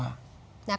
nah kalau nanti